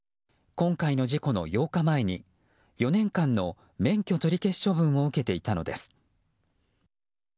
今回の事故の８日前に４年間の免許取り消し処分を受けていたのです。